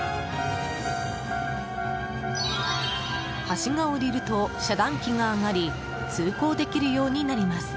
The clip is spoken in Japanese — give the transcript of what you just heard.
橋が下りると、遮断機が上がり通行できるようになります。